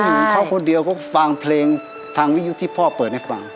เขาก็อยู่ของเขาคนเดียวเขาฟังเพลงทางวิยูที่พ่อเปิดให้ฟัง